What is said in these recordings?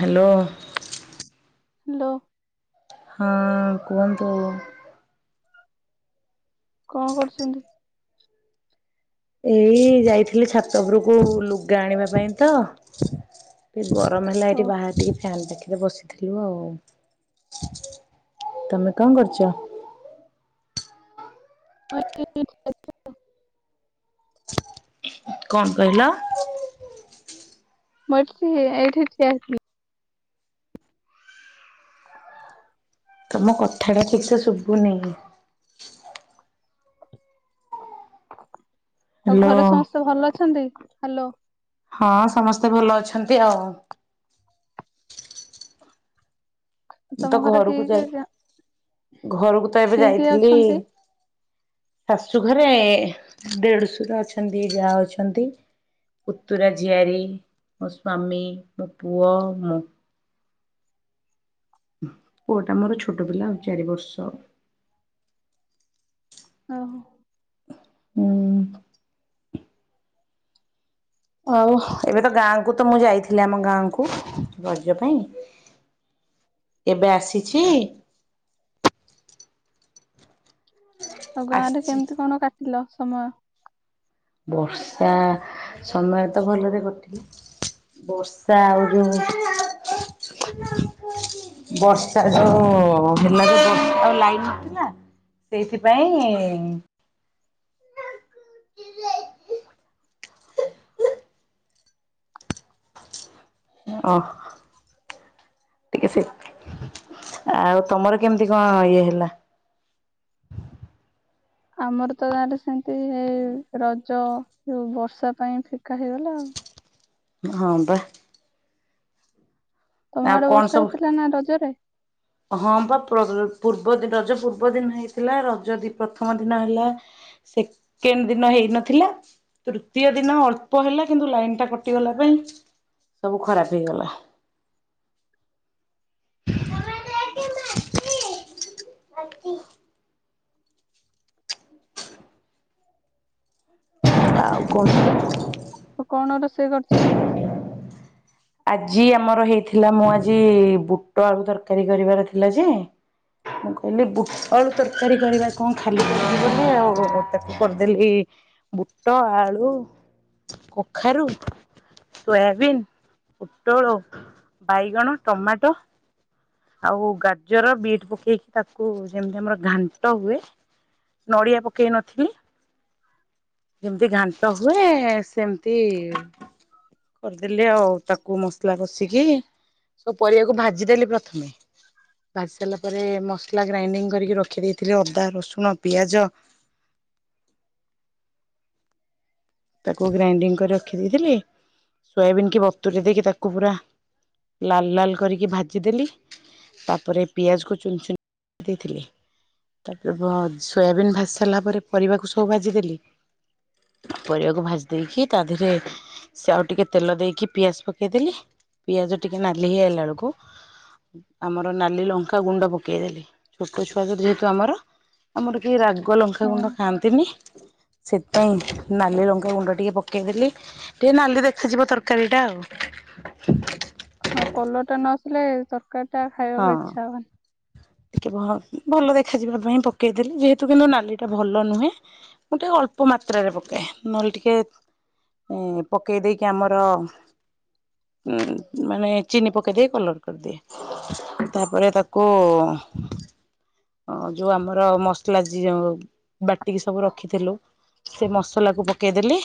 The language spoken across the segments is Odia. ହ୍ୟାଲୋ। ହ୍ୟାଲୋ। ହଁ କୁହନ୍ତୁ? କଣ କରୁଛନ୍ତି? ଏଇ ଯାଇଥିଲି ଛାତ ଉପରକୁ ଲୁଗା ଆଣିବା ପାଇଁ ତ ଗରମ ହେଲା ଓ ଏଇଠି ବାହାରେ ଟିକେ ଫ୍ୟାନ୍ ଦେଇକି ବସିି ଥିଲୁ ଆଉ ତମେ କଣ କରୁଛ? ମ କଣ କହିଲ? ମୁଁ ଏଇଠି ଠିଆ ହେଇଥିଲି? ତମ କଥାଟା ଠିକ୍ ସେ ଶୁଭୁନି? ଆଉ ହ୍ୟାଲୋ ଘରେ ସମସ୍ତେ ଭଲ ଅଛନ୍ତି ହ୍ୟାଲୋ। ହଁ ସମସ୍ତେ ଭଲ ଅଛନ୍ତି ଆଉ ମୁଁ ତମ ତ ଘରେ କିଏ ଘରକୁ କିଏ ଯାଇ ଘରକୁ ତ ଏବେ କିଏ କିଏ ଯାଇଥିଲି। ଅଛନ୍ତି? ଶାଶୁ ଘରେ ଦେଢଶୁର ଅଛନ୍ତି ଜା ଅଛନ୍ତି। ପୁତୁରା ଝିଆରୀ ମୋ ସ୍ଵାମୀ ମୋ ପୁଅ ମୁଁ ପୁଅଟା ମୋର ଛୋଟ ପିଲା ଆଉ ଚାରି ବର୍ଷ। ଓ ହୋ। ହୁଁ। ଆଉ ଏବେ ତ ଗାଁକୁ ତ ମୁଁ ଯାଇଥିଲି ଆମ ଗାଁ କୁ ରଜ ପାଇଁ ଏବେ ଆସିଛି। ଆଉ ଗାଁରେ ଆସିଛି। କେମିତି କଣ କାଟିଲ ସମୟ? ବର୍ଷା ସମୟ ତ ଭଲରେ କଟିଲା। ବର୍ଷା ଆହୁରି ବର୍ଷା ଯୋଉ ହେଲା ଯେ ତମ ଲାଇନ୍ ଥିଲା? ସେଇଥିପାଇଁ ହଁ। ଟିକେ ସେ ଆଉ ତମର କେମିତି କଣ ଇଏ ହେଲା? ଆମର ତ ଗାଁରେ ସେମିତି ଏଇ ରଜ ଯୋଉ ବର୍ଷା ପାଇଁ ଫିକା ହେଇଗଲା ଆଉ। ହଁ ବା। ତମ ଆଉ ଆଡେ କଣ ବର୍ଷା ସବୁ ହେଇଥିଲା ନା ରଜରେ? ହଁ ବା ପୂର୍ବ ରଜ ପୂର୍ବ ଦିନ ହେଇଥିଲା ରଜ ଦି ପ୍ରଥମ ଦିନ ହେଲା। ସେକେଣ୍ଡ ଦିନ ହେଇନଥିଲା। ତୃତୀୟ ଦିନ ଅଳ୍ପ ହେଲା, କିନ୍ତୁ ଲାଇନ୍ ଟା କଟିଗଲା ପାଇଁ ସବୁ ଖରାପ ହେଇଗଲା। ମାମା ଦେଖିଲୁ [unintelligible] ହାତୀ ଆଉ କଣ? ଆଉ କଣ ରୋଷେଇ କରିଚ? ଆଜି ଆମର ହେଇଥିଲା ମୁଁ ଆଜି ବୁଟ ଆଳୁ ତରକାରୀ କରିବାର ଥିଲା ଯେ ମୁଁ କହିଲି ବୁଟ ଆଳୁ ତରକାରୀ କରିବା କଣ ଖାଲି ଖାଲି ବୋଲି ଆଉ, ତାକୁ କରିଦେଲି ବୁଟ, ଆଳୁ, କଖାରୁ, ସୋୟାବିନ୍ ପୋଟଳ, ବାଇଗଣ, ଟମାଟୋ ଆଉ ଗାଜର, ବିଟ୍ ପକେଇକି ତାକୁ ଯେମିତି ଆମର ଘାଣ୍ଟ ହୁଏ ନଡ଼ିଆ ପକେଇନଥିଲି ଯେମିତି ଘାଣ୍ଟ ହୁଏ, ସେମିତି କରିଦେଲି ଆଉ ତାକୁ ମସଲା କଷିକି, ସବୁ ପରିବାକୁ ଭାଜିଦେଲି ପ୍ର [unintelligible] ଭାଜି ସାରିଲା ପରେ, ମସଲା ଗ୍ରାଇଣ୍ଡିଙ୍ଗ କରିକି ରଖି ଦେଇଥିଲି, ଅଦା, ରସୁଣ, ପିଆଜ ତାକୁ ଗ୍ରାଇଣ୍ଡିଙ୍ଗ କରି ରଖିଦେଇଥିଲି, ସୋୟାବିନ୍ କି ବତୁୁରି ଦେଇକି ତାକୁ ପୁରା ଲାଲ୍ ଲାଲ୍ କରିକି ଭାଜିଦେଲି ତାପରେ ପିଆଜକୁ ଚୁନ ଚୁନ କରି ଦେଇଥିଲି ତାପରେ, ସୋୟାବିନ୍ ଭାଜି ସାରିଲା ପରେ, ପରିବାକୁ ସବୁ ଭାଜିଦେଲି ପରିବାକୁ ଭାଜି ଦେଇକି, ତା ଦେହରେ ସେ ଆଉ ଟିକେ ତେଲ ଦେଇକି, ପିଆଜ ପକେଇଦେଲି, ପିଆଜ ଟିକେ ନାଲି ହେଇଗଲା ବେଳକୁ ଆମର ନାଲି ଲଙ୍କା ଗୁଣ୍ଡ ପକେଇ ଦେଲି, ଛୋଟ ଛୁଆ ଯୋ ଯେହେତୁ ଆମର ଆମର କେହି ରାଗ ହଁ ଲଙ୍କାଗୁଣ୍ଡ ଖାଆନ୍ତିନି, ସେଥିପାଇଁ ନାଲି ଲଙ୍କା ଗୁଣ୍ଡ ଟିକେ ପକେଇଦେଲି। ଟିକେ ନାଲି ଦେଖାଯିବ ତରକାରୀ ଟା ଆଉ। ହଁ, କଲରଟା ନଆସିଲେ, ତରକାରୀ ଟା ହଁ ଖାଇବାକୁ ଇଛା ହେବନି। ଟିକେ ଭଲ ଦେଖାଯିବା ପାଇଁ ପକେଇଦେଲି। ଯେହେତୁ କିନ୍ତୁ ନାଲି ଟା ଭଲ ନୁହେଁ। ମୁଁ ଟିକେ ଅଳ୍ପ ମାତ୍ରାରେ ପକାଏ। ନହେଲେ ଟିକେ ଏଁ ଏଁ, ପକେଇଦେଇକି ଆମର ଉଁ ମାନେ, ଚିନି ପକେଇଦେଇକି, କଲର କରିଦିଏ। ତାପରେ ତାକୁ ଅ ଯୋଉ ଆମର ମସଲା ଜିରା ବାଟିକି ସବୁ ରଖିଥିଲୁ ସେ ମସଲାକୁ ପକେଇଦେଲି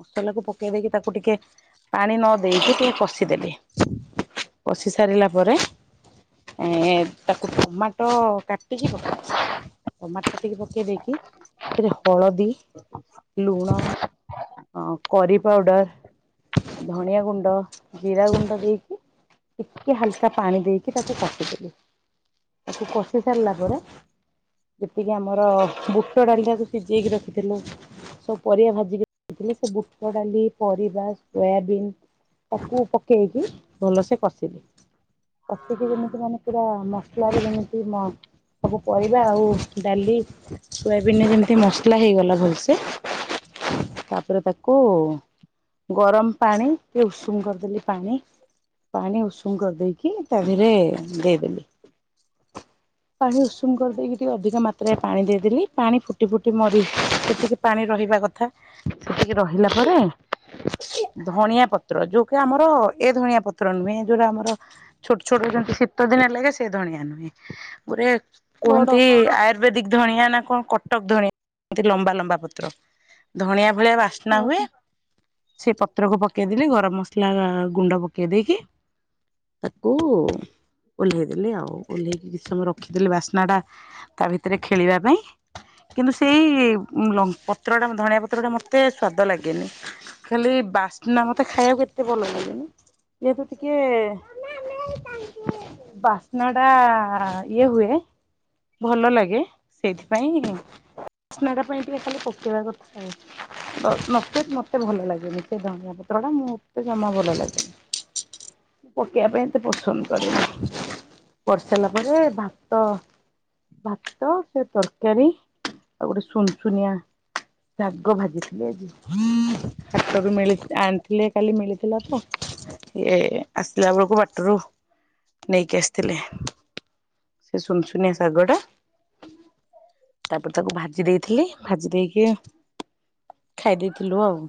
ମସଲାକୁ ପକେଇ ଦେଇକି, ତାକୁ ଟିକେ ପାଣି ନ ଦେଇକି, ଟିକେ କଷିଦେଲି। କସି ସାରିଲା ପରେ ଏଁ ଏଁ, ତାକୁ ଟମାଟ କାଟିକି ପକେଇଥିଲି। ଟମାଟ କାଟି ପକେଇ ଦେଇକି, ସେଥିରେ ହଳଦୀ, ଲୁଣ ହଁ, କରିପାଉଡ଼ର ଧଣିଆଗୁଣ୍ଡ, ଜିରାଗୁଣ୍ଡ ଦେଇକି, ଟିକେ ହାଲକା ପାଣି ଦେଇକି ତାକୁ କଷିି ଦେଲି, ତାକୁ କଷି ସାରିଲା ପରେ ଏତିକି ଆମର ବୁଟ ଡ଼ାଲିଟାକୁ ସିଜେଇ କି ରଖିଥିଲି ସବୁ ପରିବା ଭାଜିିକି ରଖିଥିଲି, ସେ ବୁଟ ଡାଲି, ପରିବା, ସୋୟାବିନ ସବୁ ପକେଇକି, ଭଲସେ କସିଲି। କଷିକି ଯେମିତି ମାନେ ପୁରା, ମସଲାରେ ଯେମିତି ମ ସବୁ ପରିବା, ଆଉ ଡାଲି ସୋୟାବିନ ଯେମିତି ମସଲା ହେଇଗଲା ଭଲସେ। ତାପରେ ତାକୁ ଗରମ ପାଣି ଟିକେ ଉଷୁମ କରିଦେଲି ପାଣି। ପାଣି ଉଷୁମ କରିଦେଇକି ତା ଧୀରେ ଦେଇଦେଲି। ପାଣି ଉଷୁମ କରିଦେଇକି ଟିକେ ଅଧିକ ମାତ୍ରାରେ ପାଣି ଦେଇଦେଲି। ପାଣି ଫୁଟି ଫୁଟି ମରି ସେଥିରେ ପାଣି ରହିବା କଥା ସେତିକି ରହିଲା ପରେ ଧଣିଆ ପତ୍ର ଯୋଉକ ଆମର ଏ ଧଣିଆ ପତ୍ର ନୁହେଁ ଯୋଉଟା ଆମର ଛୋଟ ଛୋଟଯେମିତି ଶୀତ ଦିନେ ଲାଗେ ସେ ଧଣିଆ ନୁହେଁ ଗୋରେ ବଡ କୁହନ୍ତି ଆ ଆୟୁର୍ବେଦିକ ଧଣିଆ ନା କଁ କଟକ ଧଣିଆ ଏମିତି ଲମ୍ବା ଲମ୍ବା ପତ୍ର। ଧଣିଆ ଭଳିଆ ବା ବାସ୍ନା ହୁଏ। ଓହୋ ସେ ପତ୍ରକୁ ପକେଇଦେଲି ଗରମ ମସଲା ଗୁଣ୍ଡ ପକେଇ ଦେଇକି। ତାକୁ ଓହ୍ଲେଇ ଦେଲି ଆଉ ଓହ୍ଲେଇକି କିଛି ସମୟ ରଖିଦେଲି ବାସ୍ନା ଟା ତା ଭିତରେ ଖେଳିବା ପାଇଁ। କିନ୍ତୁ ସେଇ ଲଙ୍କ ପତ୍ରଟା ଧଣିଆ ପତ୍ରଟା ମୋତେ ସ୍ଵାଦ ଲାଗେନି। ଖାଲି ବାସ୍ନା ମତେ ଖାଇବାକୁ ଏତେ ଭଲ ଲାଗେନି। ଯେହେତୁ ଟିକେ ହଁ ବାସ୍ନା ଟା ଇଏ ହୁଏ। ଭଲ ଲାଗେ। ସେଇଥିପାଇଁ ବାସ୍ନାଟା ପାଇଁ ଟିକେ ଖାଲି ପକେଇବା କଥା। ନଚେତ୍ ମତେ ଭଲ ଲାଗେନି। ସେ ଧଣିଆ ପତ୍ର ଟା ମୁଁ ମତେ ଜମା ଭଲ ଲାଗେନି। ପକେଇବା ପାଇଁ ଏତେ ପସନ୍ଦ କରେନି। କରି ସାରିଲା ପରେ ଭାତ ଭାତ ସେ ତରକାରୀ ଆଉ ଗୋଟେ ସୁନସୁନିଆ ଶାଗ ଭାଜି ଥିଲେ ଆଜି। ହୁଁ ହାଟ ରୁ ମିଳି ଆଣିଥିଲେ। କାଲି ମିଳିଥିଲା ତ ଇଏ ଆସିଲା ବେଳକୁ ବାଟରୁ ନେଇକି ଆସିଥିଲେ। ସେ ଶୁନସୁନିଆ ଶାଗ ଟା ତାପରେ ତାକୁ ଭାଜି ଦେଇଥିଲି ଭାଜି ଦେଇକି ଖାଇ ଦେଇଥିଲୁ ଆଉ।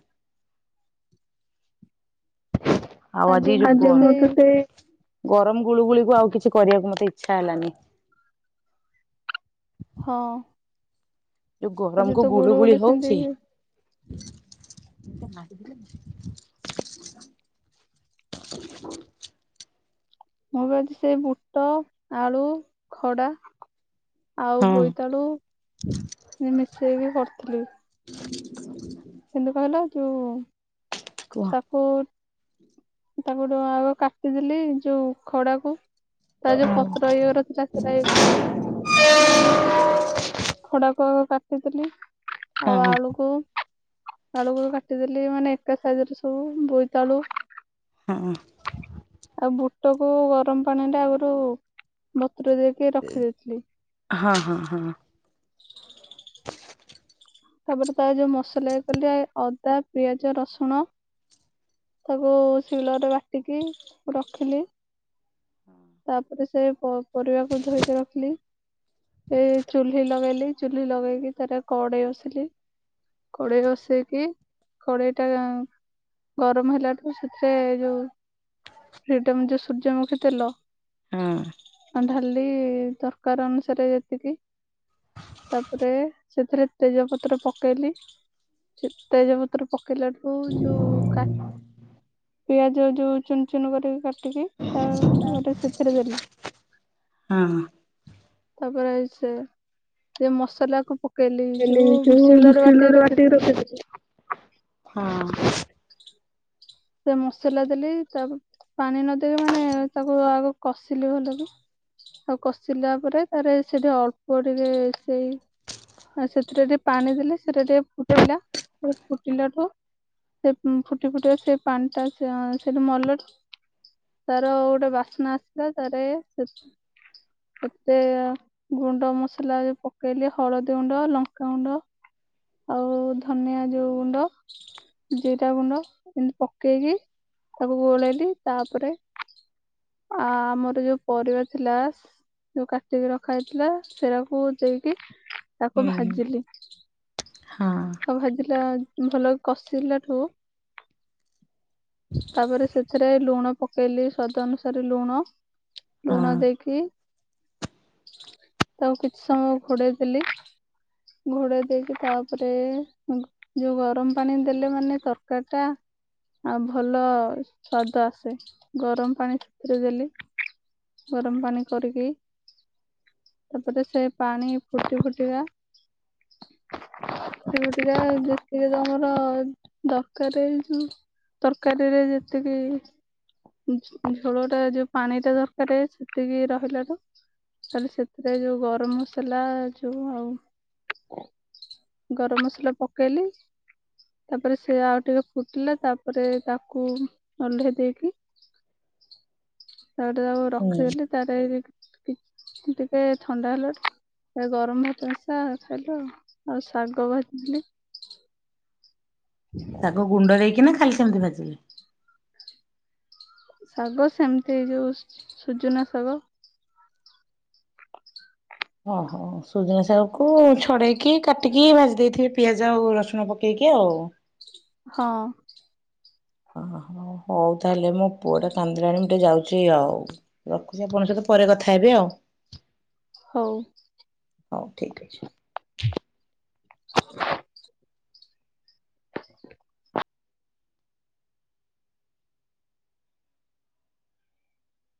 ଆଉ ଆଜି ମୁଁ ତ ଯୋଉ ସେଇ ଗ ଗରମ ଗୁଳୁ ଗୁଳିକୁ ଆଉ କିଛି କରିଆକୁ ମତେ ଇଚ୍ଛା ହେଲାନି। ହଁ। ଯୁ ଆଜି ଗରମକୁ ତ ଗୁଳୁ ଗୁଳି ଗୁଳୁଗୁଳି ହଉଚି ସେମିତି ମୁଁ ବି ଆଜି ସେଇ ବୁଟ ଆଳୁ ଖଡ଼ା ଆଉ ହଁ ବୋଇତାଳୁ ମିଶେଇକି କରିଥିଲି। [inaudible] କିନ୍ତି କହିଲ ଯୁ କୁହ? ତାକୁ-ତାକୁ ଆଗ କାଟିଦେଲି, ଯୋଉ ଖଡାକୁ ତାର ଯୋଉ ପତ୍ର ଇଏ ଗୁରା ଥିଲା ସେଟା ଇଏ କରିକି ଖଡ଼ାକୁ ଆଗ କାଟିଥିଲି ଆଉ ହଁ ହଁ ଆଳୁକୁ ଆଳୁକୁ କାଟିଦେଲି ମାନେ ଏକ ସାଇଜରେ ସବୁ ବୋଇତାଳୁ ହୁଁ। ଆଉ ବୁଟ କୁ ଗରମ ପାଣିରେ ଆଗରୁ ବତୁରେଇ ଦେଇ କିଏ ରଖିଦେଇଥିଲି। ହଁ ହଁ ହଁ। [unintelligible] [unintelligible] ତାପରେ ତାର ଯୋଉ ମସଲା ଇଏ କଲି ଆ ଅଦା ପିଆଜ ରସୁଣ ତାକୁ ଶୀଳରେ ରେ ବାଟିକି ରଖିଲି। ତାପରେ ସେ ପ ପରିବାକୁ ଧୋଇକି ରଖିଲି। ଏ ଚୁଲି ଲଗେଇଲି ଚୁଲି ଲଗେଇକି ତାର କଡେଇ ବସିଲି। କଡ଼େଇ ବସେଇକି କଡ଼େଇଟା ଗରମ ହେଲାଠୁ ସେଥିରେ ଯୋଉ ଭିଟାମିନ ଯୋଉ ସୂର୍ଯ୍ୟମୁଖୀ ତେଲ ଢାଳିଲି ତରକାରୀ ଅନୁସାରେ ଯେତିକି ତାପରେ ସେଥିରେ ତେଜପତ୍ର ପକେଇଲି। ତେଜପତ୍ର ପକେଇଲାଠୁ ଯୋଉ କା ପିଆଜ ଯୋଉ ଚୁନ ଚୁନ କରିକି କାଟିକି ତା-ପରେ ସେଥିରେ ଦେଲି। ଅ ହଁ। ତାପରେ ଏଇ ସେ-ସେ ମସଲାକୁ ପକ ପକେଇଲି କହିଲି ଯୋଉ ଶିଳରେ ବାଟିକି ରଖିଥିଲି। ଅ ହଁ। ସେ ମସଲା ଦେଲି ତା ପ ପାଣି ନଦେଇକି ମାନେ ତାକୁ ଆଗ କଷିଲି ଭଲକି ଆଉ କଷିଲା ପରେ ତାରେ ସେଠି ଅଳ୍ପ ଟିକେ ସେଇ ଆଉ ସେଥିରେ ଟିକେ ପାଣି ଦେଲି ସେଟା ଟିକେ ଫୁଟିଲା, ସେ ଫୁଟିଲାଠୁ ସେ ଫୁଟି ଫୁଟି ସେ ପାଣିଟା ସେ ସେଇଠି ମଲାରୁ ତାର ଗୋଟେ ବାସ୍ନା ଆସିଲା। ତାରେ ସେତେ ଗୁଣ୍ଡ ମସଲା ବି ପକେଇଲି ହଳଦୀ ଗୁଣ୍ଡ, ଲଙ୍କାଗୁଣ୍ଡ ଆଉ ଧନିଆ ଯୋଉ ଗୁଣ୍ଡ, ଜିରା ଗୁଣ୍ଡ ଏମିତି ପ ପକେଇକି ତାକୁ ଗୋଳେଇଲି ତାପରେ ଆ ଆମର ଯୋଉ ପରିବା ଥିଲା ଯୋଉ କାଟିକି ରଖା ହେଇଥିଲା ସେରାକୁ ଦେଇକି ତାକୁ ହୁଁ। ଭାଜିଲି, ହଁ ଆଉ ଭାଜିଲା ଭଲକି କଷିଲାଠୁ ତାପରେ ସେଥିରେ ଲୁଣ ପକେଇଲି ସ୍ଵାଦ ଅନୁସାରେ ଲୁଣ ଲୁଣ ହଁ। ଦେଇକି ତାକୁ କିଛି ସମୟ ଘୋଡେଇ ଦେଲି ଘୋଡେଇ ଦେଇକି ତାପରେ ଯୋଉ ଗରମ ପାଣି ଦେଲେ ମାନେ ତରକାର ଟା ଆଉ ଭଲ ସ୍ୱାଦ ଆସେ ଗରମ ପାଣି ସେଥିରେ ଦେଲି। ଗରମ ପାଣି କରିକି ତାପରେ ସେ ପାଣି ଫୁଟି ଫୁଟିକା ଫୁଟି ଫୁଟିକା ଯେତିକି ତମର ଦରକାର ଏଇ ଯୋଉ ତରକାରୀରେ ଯେତିକି ଝୋଳ ଟା ଯୋଉ ପାଣି ଟା ଦରକାର ସେତିକି ରହିଲା ଠୁ ତାହଲେ ସେଥିରେ ଯୋଉ ଗରମ ମସଲା ଯୋଉ ଆଉ। ଗରମ ମସଲା ପକେଇଲି ତାପରେ ସେ ଆଉ ଟିକେ ଫୁଟିଲା ତାପ ତାପରେ ତାକୁ ଉଲ୍ହେଇ ଦେଇକି ତାପରେ ତାକୁ ହୁଁ। ରଖିଦେଲି ତାର ଟିକେ ଥଣ୍ଡା ହେଲା ଠୁ ଏ ଗରମ ଚାସା ଖାଇଲ, ଆଉ ଶାଗ ଭାଜିଥିଲି। ଶାଗ ଗୁଣ୍ଡ ଦେଇକିନା ଖାଲି ସେମିତି ଭାଜିଲେ? ଶାଗ ସେମିତି ଯୋଉ ସୁଜୁନା ଶାଗ [unintelligible] ଓ ହୋ। ସୁଜୁନା ଶାଗକୁ ଛଡେଇକି କାଟିକି ଭାଜି ଦେଇଥିବେ ପିଆଜ ଆଉ ରସୁଣ ପକେଇକି ଆଉ। ହଁ। ଓହୋ, ହଉ ତାହେଲେ ମୋ ପୁଅଟା କାନ୍ଦିଲାଣି ମୁ ଟିକେ ଯାଉଚି ଆଉ। ରଖୁଛି ଆପଣଙ୍କ ସହିତ ପରେ କଥା ହେବି ଆଉ। ହଉ। ହଉ ଠିକ୍ [unintelligible]